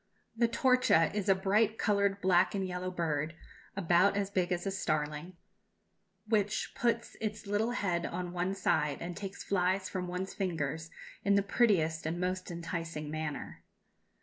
The torcha is a bright coloured black and yellow bird, about as big as a starling, which puts its little head on one side and takes flies from one's fingers in the prettiest and most enticing manner.